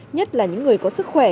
nhất là những người có sức khỏe